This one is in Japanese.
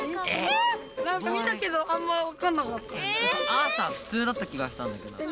アーサーふつうだった気がしたんだけど。